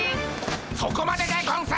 そこまででゴンス！